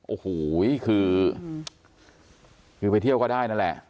โอ้โหคือไปเที่ยวก็ได้นั่นแหละ